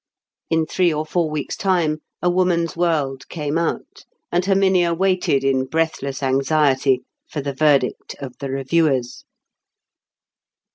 In three or four weeks' time A Woman's World came out, and Herminia waited in breathless anxiety for the verdict of the reviewers.